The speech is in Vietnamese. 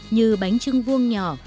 như bánh trưng vuông nhỏ